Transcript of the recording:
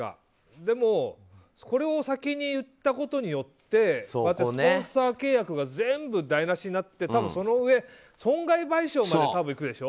でも、これを先に言ったことによってこうやってスポンサー契約が全部台無しになってそのうえ損害賠償まで多分いくでしょ。